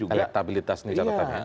elektabilitas ini catatannya